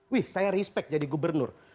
wih saya respect jadi gubernur